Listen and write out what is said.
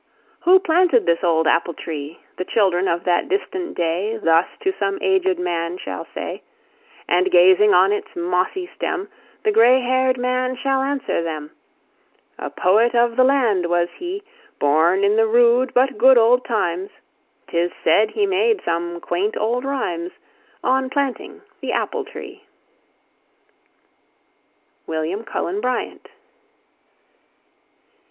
"Who planted this old apple tree?" The children of that distant day Thus to some aged man shall say; And, gazing on its mossy stem, The gray haired man shall answer them: "A poet of the land was he, Born in the rude but good old times; 'Tis said he made some quaint old rhymes On planting the apple tree." WILLIAM CULLEN BRYANT.